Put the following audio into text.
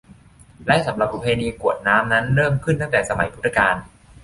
และสำหรับประเพณีกรวดน้ำนั้นเริ่มขึ้นตั้งแต่สมัยพุทธกาล